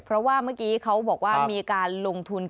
เพราะว่าเมื่อกี้เขาบอกว่ามีการลงทุน